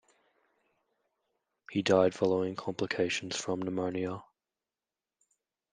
He died following complications from pneumonia.